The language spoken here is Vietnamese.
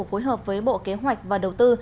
phối hợp với bộ kế hoạch và đầu tư